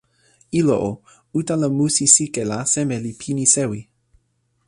ilo o, utala musi sike la seme li pini sewi?